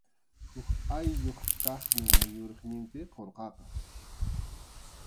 Huk ayllup kaqnin muyuriqninmi qurqaqa.